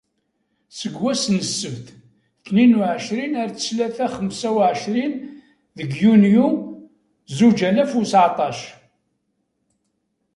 Seg wass n ssebt, tnin u εecrin ar ttlata xemsa u εecrin deg yunyu zuǧ alaf u seεṭac.